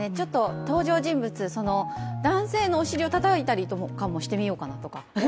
登場人物、男性のお尻をたたいたりとかもしてみようかなとか。